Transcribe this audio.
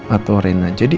atau rena jadi